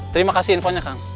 terima kasih infonya kang